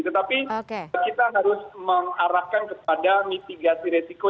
tetapi kita harus mengarahkan kepada mitigasi resiko